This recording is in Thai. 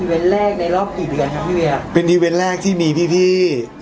อันนี้ก็เรียกว่าเป็นเทอเวนต์แรกในรอบกี่ปีก่อนครับพี่เวีย